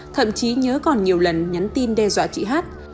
thậm chí nhớ còn nhiều lần nhắn tin đe dọa chị hát